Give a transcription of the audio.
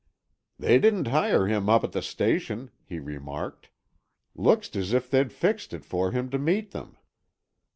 "They didn't hire him up at the station," he remarked. "Looks as if they'd fixed it for him to meet them."